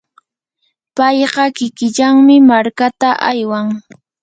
payqa kikillanmi markata aywan.